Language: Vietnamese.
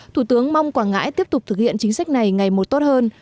thủ tướng mong quảng ngãi tiếp tục thực hiện chính sách này ngày một tốt hơn